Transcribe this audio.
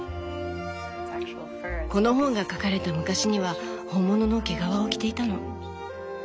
この本が書かれた昔には本物の毛皮を着ていたの。